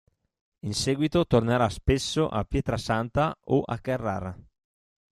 In seguito tornerà spesso a Pietrasanta o a Carrara.